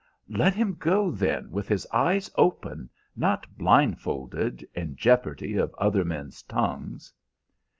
"Let him go, then, with his eyes open, not blindfold, in jeopardy of other men's tongues."